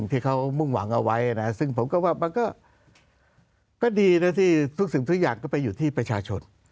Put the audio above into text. ที่ทุกสิ่งทุกอย่างก็ไปอยู่ที่ประชาชน